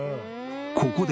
ここで。